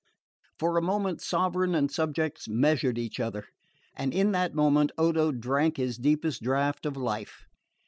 For a moment sovereign and subjects measured each other; and in that moment Odo drank his deepest draught of life.